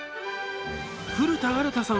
古田新太さん